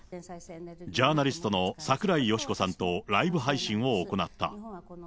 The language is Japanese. ジャーナリストの櫻井よしこさんとライブ配信を行った。